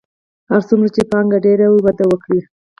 هر څومره چې پانګه ډېره وده وکړي